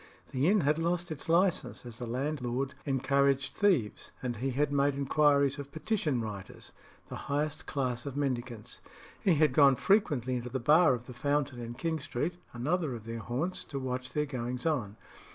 The inn had lost its licence, as the landlord encouraged thieves; and he had made inquiries of petition writers, the highest class of mendicants. He had gone frequently into the bar of the Fountain in King Street, another of their haunts, to watch their goings on.